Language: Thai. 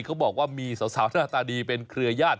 เขาบอกว่ามีสาวหน้าตาดีเป็นเครือญาติ